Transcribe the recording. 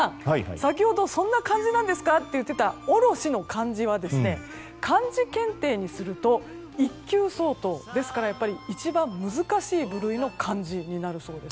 先ほど、そんな漢字なんですか？と言っていたおろしの漢字は漢字検定にすると１級相当なので一番難しい部類の漢字だそうです。